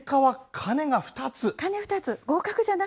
鐘２つ？